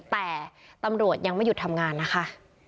แต่ตำรวจยังไม่หยุดทำงานนะคะ